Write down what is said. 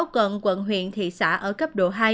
hai mươi sáu quận quận huyện thị xã ở cấp độ hai